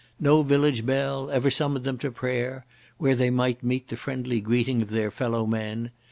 No village bell ever summoned them to prayer, where they might meet the friendly greeting of their fellow men.